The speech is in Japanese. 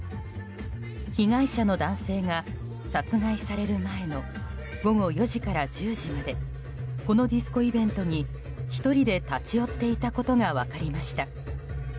被害者の男性が殺害される前の午後４時から１０時までこのディスコイベントに１人で立ち寄っていたことが分かりました。